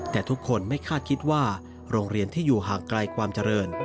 แต่ทุกคนไม่คาดคิดว่าโรงเรียนที่อยู่ห่างไกลความเจริญ